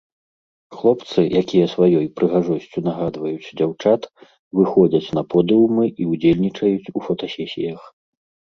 Хлопцы, якія сваёй прыгажосцю нагадваюць дзяўчат, выходзяць на подыумы і ўдзельнічаюць у фотасесіях.